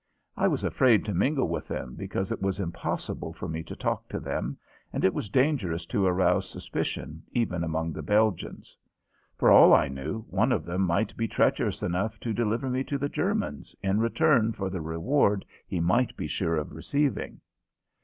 I was afraid to mingle with them because it was impossible for me to talk to them and it was dangerous to arouse suspicion even among the Belgians. For all I knew, one of them might be treacherous enough to deliver me to the Germans in return for the reward he might be sure of receiving.